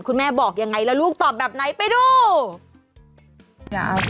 คุณแม่บอกยังไงแล้วลูกตอบแบบไหนไปดู